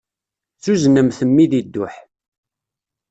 Zuznemt mmi di dduḥ.